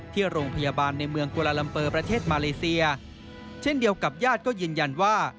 ที่โรงพยาบาลในเมืองกุลาลัมเปอร์ประเทศมาเลเซียเช่นเดียวกับญาติก็ยืนยันว่า